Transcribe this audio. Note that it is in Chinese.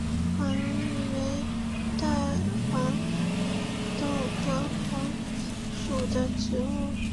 袋萼黄耆为豆科黄芪属的植物。